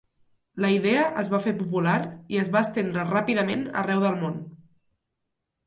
La idea es va fer popular i es va estendre ràpidament arreu del món.